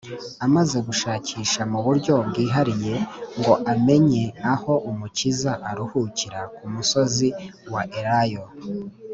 . Amaze gushakisha mu buryo bwihariye ngo amenye aho Umukiza aruhukira ku musozi wa Elayo